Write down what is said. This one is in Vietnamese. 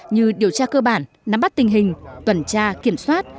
như điều tra cơ bản nắm bắt tình hình tuần tra kiểm soát